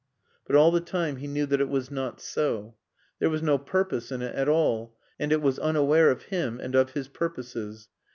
But all the time he knew that it was not so. There was no purpose in it at all, and it was unaware of him and of his purposes.